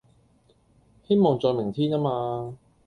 希望在明天吖嘛